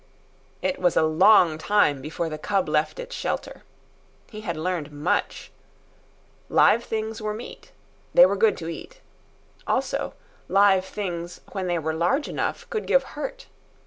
It was a long time before the cub left its shelter. He had learned much. Live things were meat. They were good to eat. Also, live things when they were large enough, could give hurt.